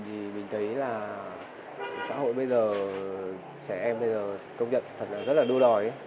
thì mình thấy là xã hội bây giờ trẻ em bây giờ công nhận thật là rất là đu đòi